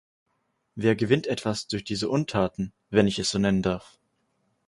Wer gewinnt etwas durch diese Untaten, wenn ich es so nennen darf?